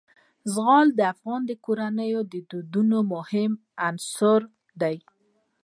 زغال د افغان کورنیو د دودونو مهم عنصر دی.